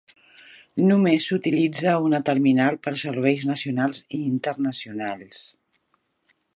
Només s"utilitza una terminal pels serveis nacionals i internacionals.